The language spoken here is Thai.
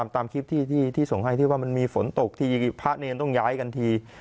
ตามคลิปที่ส่งให้ที่ว่ามันมีฝนตกทีพระเนรต้องย้ายกันที